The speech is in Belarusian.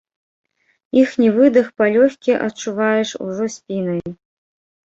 Іхні выдых палёгкі адчуваеш ужо спінай.